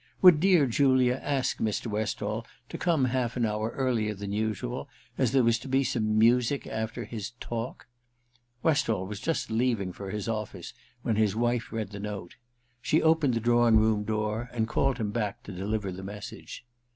Would dear Julia ask Mr. Westall to come half an hour earlier than usual, as there was to be some music after his * talk '? Westall was just leaving for his office when his wife read the note. She opened the drawing room door and called him back to deliver the message.